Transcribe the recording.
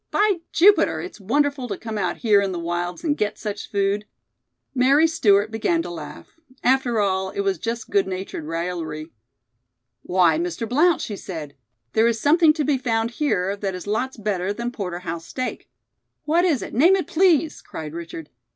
By Jupiter, it's wonderful to come out here in the wilds and get such food." Mary Stewart began to laugh. After all, it was just good natured raillery. "Why, Mr. Blount," she said, "there is something to be found here that is lots better than porter house steak." "What is it? Name it, please!" cried Richard.